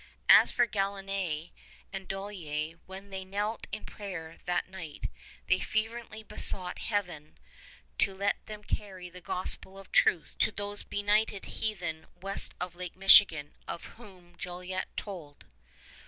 As for Galinée and Dollier, when they knelt in prayer that night, they fervently besought Heaven to let them carry the Gospel of truth to those benighted heathen west of Lake Michigan, of whom Jolliet told.